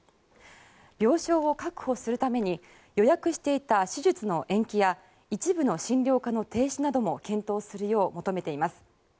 病床を確保するために予約していた手術の延期や一部の診療科の停止なども検討するよう求めています。